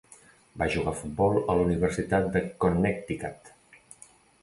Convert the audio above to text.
Va jugar a futbol a la Universitat de Connecticut.